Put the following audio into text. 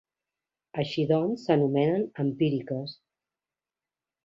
Així doncs, s'anomenen "empíriques".